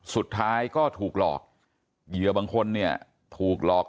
สุดท้ายก็ถูกหลอกเหยื่อบางคนเนี่ยถูกหลอก